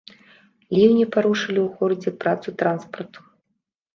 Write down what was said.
Ліўні парушылі ў горадзе працу транспарту.